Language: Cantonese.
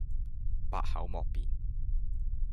百口莫辯